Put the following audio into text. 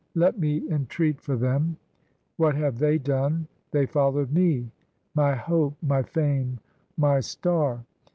Let me entreat for them : what have they done? They follow'd me, my hope, my fame, my star.